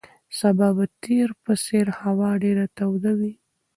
سبا به د تېر په څېر هوا ډېره توده وي.